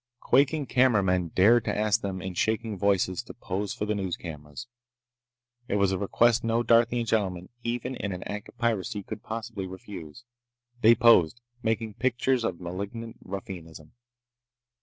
Quaking cameramen dared to ask them, in shaking voices, to pose for the news cameras. It was a request no Darthian gentleman, even in an act of piracy, could possibly refuse. They posed, making pictures of malignant ruffianism.